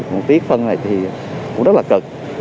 mà không phát biến phân này thì cũng rất là cực